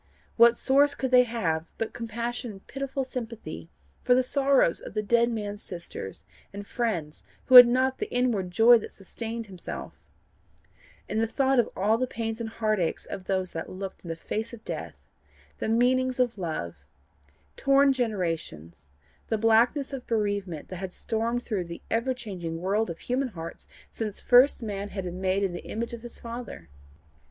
What source could they have but compassion and pitiful sympathy for the sorrows of the dead man's sisters and friends who had not the inward joy that sustained himself, and the thought of all the pains and heartaches of those that looked in the face of death the meanings of love torn generations, the blackness of bereavement that had stormed through the ever changing world of human hearts since first man had been made in the image of his Father?